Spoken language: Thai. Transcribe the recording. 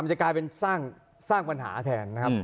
จะกลายเป็นสร้างปัญหาแทนนะครับ